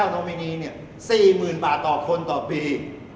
นอมินีเนี่ย๔๐๐๐๐บาทต่อคนต่อปี